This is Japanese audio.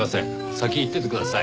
先行っててください。